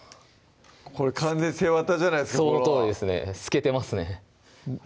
これ完全に背わたじゃないですかそのとおりですね透けてますね